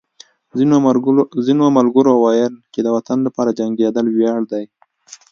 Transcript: ځینو ملګرو ویل چې د وطن لپاره جنګېدل ویاړ دی